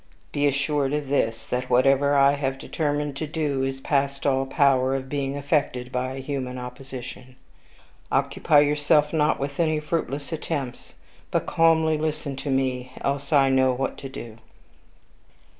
Be assured of this that whatever I have determined to do is past all power of being affected by a human opposition. Occupy yourself not with any fruitless attempts, but calmly listen to me, else I know what to do."